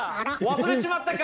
忘れちまったか？